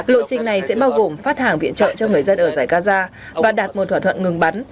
lộ trình này sẽ bao gồm phát hàng viện trợ cho người dân ở giải gaza và đạt một thỏa thuận ngừng bắn